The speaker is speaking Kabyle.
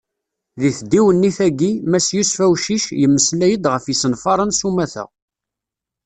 Deg tdiwennit-agi, mass Yusef Awcic, yemmeslay-d ɣef yisenfaren s umata.